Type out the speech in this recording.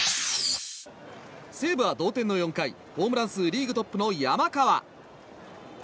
西武は同点の４回ホームラン数リーグトップの山川。